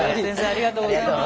ありがとうございます。